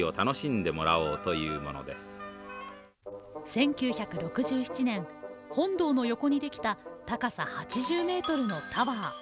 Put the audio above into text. １９６７年本堂の横にできた高さ８０ｍのタワー。